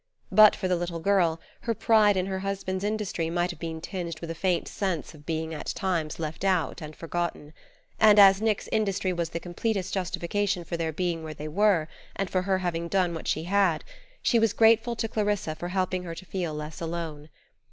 But for the little girl, her pride in her husband's industry might have been tinged with a faint sense of being at times left out and forgotten; and as Nick's industry was the completest justification for their being where they were, and for her having done what she had, she was grateful to Clarissa for helping her to feel less alone.